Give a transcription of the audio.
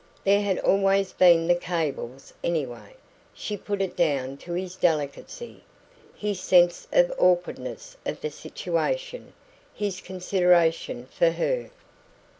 There had always been the cables, anyway. She put it down to his delicacy, his sense of the awkwardness of the situation, his consideration for her.